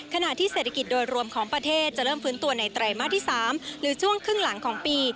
ขณะที่เศรษฐกิจโดยรวมของประเทศจะเริ่มฟื้นตัวในไตรมาสที่๓หรือช่วงครึ่งหลังของปี